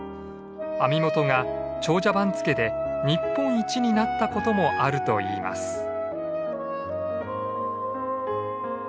網元が長者番付で日本一になったこともあるといいます。